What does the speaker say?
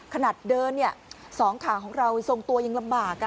ขนาดเดินสองขาของเราทรงตัวยังลำบาก